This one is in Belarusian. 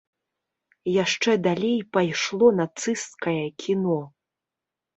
Яшчэ далей пайшло нацысцкае кіно.